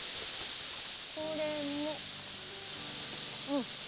これもうん。